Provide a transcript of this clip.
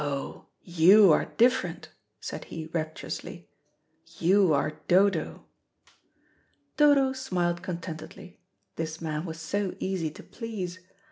"Oh, you are different," said he rapturously. "You are Dodo." Dodo smiled contentedly. This man was so easy to please.